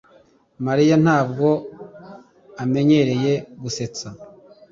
Mariya ntabwo amenyereye gusetsa